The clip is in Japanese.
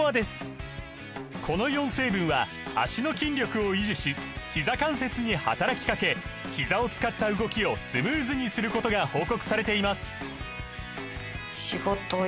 この４成分は脚の筋力を維持しひざ関節に働きかけひざを使った動きをスムーズにすることが報告されています